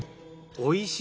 おいしい